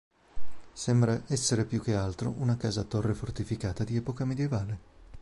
Sembra essere più che altro una casa-torre fortificata di epoca medievale.